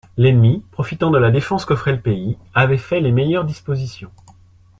L'ennemi, profitant de la défense qu'offrait le pays, avait fait les meilleures dispositions.